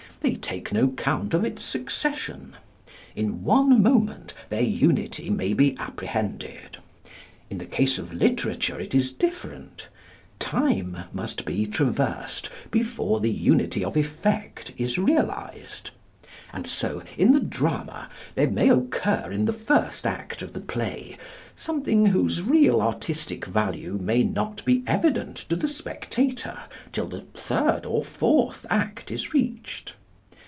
They take no count of its succession. In one moment their unity may be apprehended. In the case of literature it is different. Time must be traversed before the unity of effect is realised. And so, in the drama, there may occur in the first act of the play something whose real artistic value may not be evident to the spectator till the third or fourth act is reached.